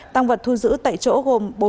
tăng vật thu giữ tại chỗ gồm